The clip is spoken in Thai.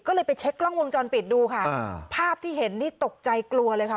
ก็เลยไปเช็คกล้องวงจรปิดดูค่ะอ่าภาพที่เห็นนี่ตกใจกลัวเลยค่ะ